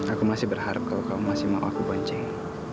aku masih berharap kalau kau masih mau aku lonceng